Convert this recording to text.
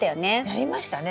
やりましたね。